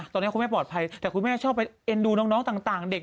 ตอนนี้คุณแม่ปลอดภัยแต่คุณแม่ชอบไปเอ็นดูน้องต่างเด็ก